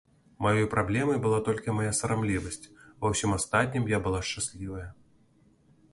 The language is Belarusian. Маёй праблемай была толькі мая сарамлівасць, ва ўсім астатнім я была шчаслівая.